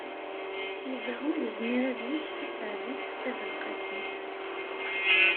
Yuba ur yezmir ad yejj Taseɛdit Tabelqasemt.